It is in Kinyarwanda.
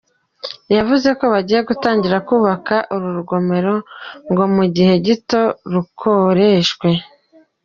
Yavuze ko bagiye gutangira kubaka uru rugomero, ngo mu gihe gito rukoreshwe.